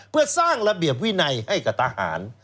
เพื่อสร้างระเบียบวินัยให้กับทหาร